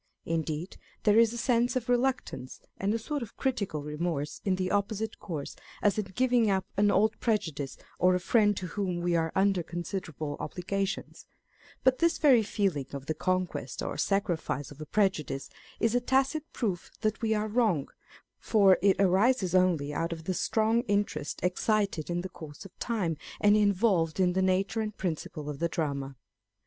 Indeed there is a sense of reluctance and a sort of critical remorse in the opposite course as in giving up an old prejudice or a friend to whom we are under considerable obligations ; but this very feeling of the conquest or sacrifice of a prejudice is a tacit proof that we are wrong ; for it arises only out of the strong interest excited in the course of time, and involved in the nature and principle of the drama.